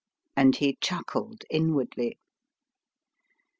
And he chuckled inwardly.